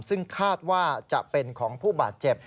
ซึ่งคาดว่าจะเป็นของผู้บาดเจ็บ